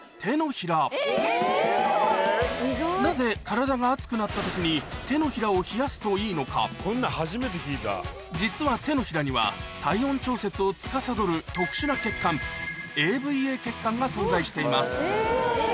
なぜ体が熱くなった時に手のひらを冷やすといいのか実は手のひらには体温調節をつかさどる特殊な血管が存在しています